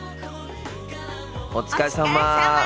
お疲れさま。